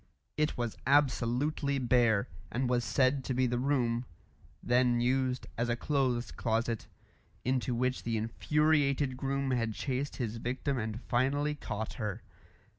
It was absolutely bare, and was said to be the room then used as a clothes closet into which the infuriated groom had chased his victim and finally caught her.